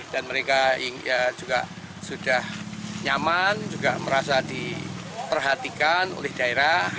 jadi ya juga sudah nyaman juga merasa diperhatikan oleh daerah